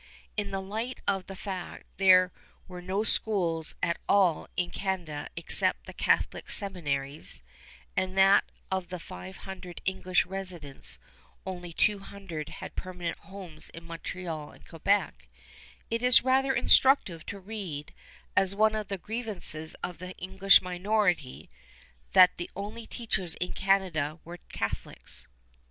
In the light of the fact that there were no schools at all in Canada except the Catholic seminaries, and that of the five hundred English residents only two hundred had permanent homes in Montreal and Quebec, it is rather instructive to read as one of the grievances of the English minority "that the only teachers in Canada were Catholics."